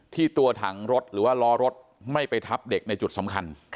ตัวถังรถหรือว่าล้อรถไม่ไปทับเด็กในจุดสำคัญ